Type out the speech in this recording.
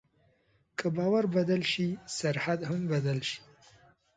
که باور بدل شي، سرحد هم بدل شي.